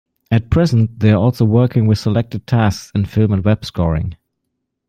At present, they are also working with selected tasks in film and web scoring.